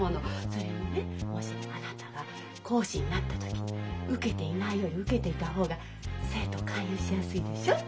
それにねもしあなたが講師になった時受けていないより受けていた方が生徒を勧誘しやすいでしょう？